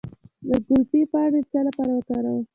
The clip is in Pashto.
د ګلپي پاڼې د څه لپاره وکاروم؟